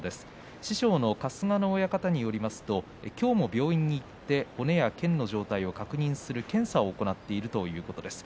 師匠の春日野親方によりますと今日は病院に行って骨やけんの状態を確認する検査を行っているということです。